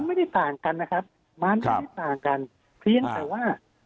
ไม่ได้ต่างกันนะครับมันไม่ได้ต่างกันเพียงแต่ว่า